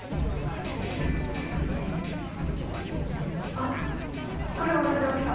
あっこれ同じ大きさ！